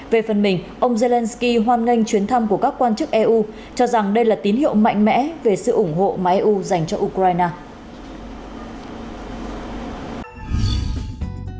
về phần mình ông zelensky hoan nghênh chuyến thăm của các quan chức eu cho rằng đây là tín hiệu mạnh mẽ về sự ủng hộ mà eu dành cho ukraine